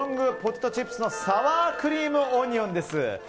ポテトチップスのサワークリームオニオンです。